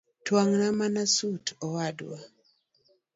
Twang’na mana sut owadwa